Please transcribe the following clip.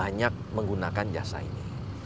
karena banyak menggunakan jasa ini